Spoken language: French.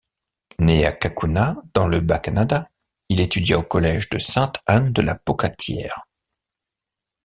Né à Cacouna dans le Bas-Canada, il étudia au Collège de Sainte-Anne-de-la-Pocatière.